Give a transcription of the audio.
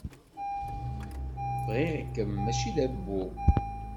Bɣiɣ-kem mačči d abbu.